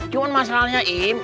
cuman masalahnya im